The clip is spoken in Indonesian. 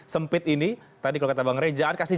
sempit ini tadi kalau kata bang rejaan kasih